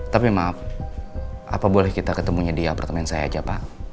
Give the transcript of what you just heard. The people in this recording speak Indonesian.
tapi maaf apa boleh kita ketemunya di apartemen saya aja pak